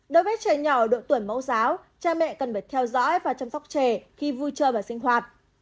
đối với trẻ nhỏ độ tuổi mẫu giáo cha mẹ cần phải theo dõi và chăm sóc trẻ khi vui chơi và sinh hoạt